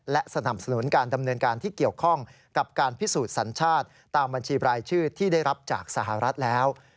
และสนับสนุนการดำเนินการที่เกี่ยวข้องกับการพิสูจน์สัญชาติตามบัญชีรายชื่อที่ได้รับจากสหรัฐแล้ว